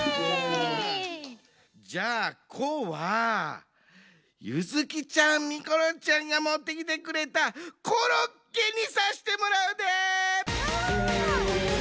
じゃあ「こ」はゆづきちゃん・みころちゃんがもってきてくれたコロッケにさしてもらうで！